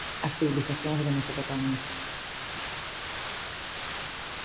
As civilizacións de Mesopotamia.